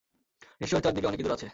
নিশ্চয়ই চারদিকে অনেক ইঁদুর আছে!